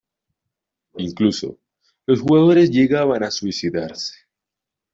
Incluso, los jugadores llegaban a suicidarse.